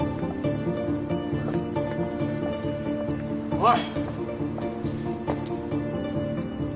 おい！